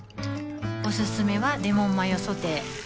おすすめはレモンマヨソテー